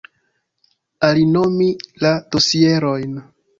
Alinomi la dosierojn.